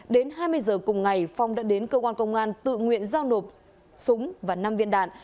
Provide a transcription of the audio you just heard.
đến hai mươi giờ cùng ngày phong đã đến cơ quan công an tự nguyện giao nộp súng và năm viên đạn